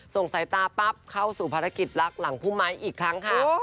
ส่งสายตาปั๊บเข้าสู่ภารกิจรักหลังผู้ไม้อีกครั้งค่ะ